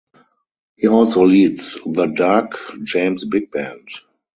He also leads the Doug James Big Band.